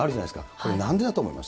これ、なんでだと思います？